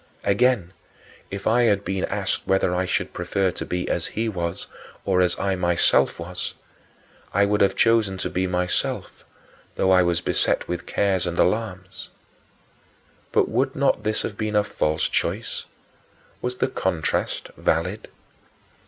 Again, if I had been asked whether I should prefer to be as he was or as I myself then was, I would have chosen to be myself; though I was beset with cares and alarms. But would not this have been a false choice? Was the contrast valid?